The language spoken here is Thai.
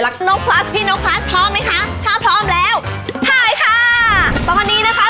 ก็จะเอามาแบบนี้